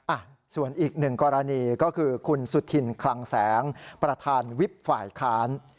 อ่ะส่วนอีกหนึ่งกรณีก็คือคุณสุธินคลังแสงประธานวิบฝ่ายค้าน